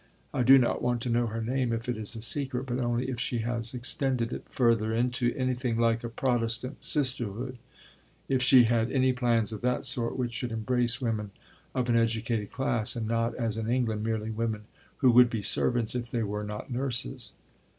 I do not want to know her name, if it is a secret; but only if she has extended it further into anything like a Protestant Sisterhood, if she had any plans of that sort which should embrace women of an educated class, and not, as in England, merely women who would be servants if they were not nurses.